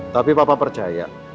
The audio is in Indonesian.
tapi papa percaya